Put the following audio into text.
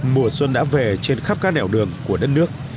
mùa xuân đã về trên khắp các nẻo đường của đất nước